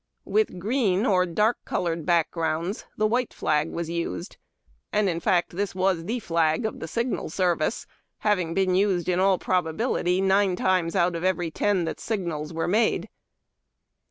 With green or dark colored backgrounds the white flag was used, and in fact this was the flas: of the signal service, having been used, in all probability, nine times out of every ten that signals were made.